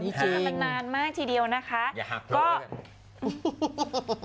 นี่จริงอย่าหักโทรด้วยก่อน